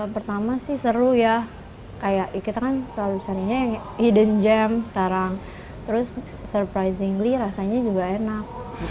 pertama sih seru ya kayak kita kan selalu carinya yang hidden gem sekarang terus surprizingly rasanya juga enak